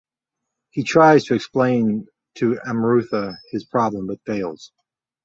He tries to explain to Amrutha his problem but fails.